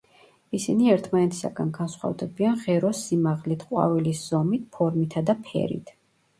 ისინი ერთმანეთისაგან განსხვავდებიან ღეროს სიმაღლით, ყვავილის ზომით, ფორმითა და ფერით.